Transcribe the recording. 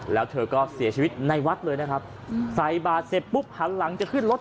แล้วเธอก็เสียชีวิตในวัดเลยนะครับใส่บาทเสร็จปุ๊บหันหลังจะขึ้นรถ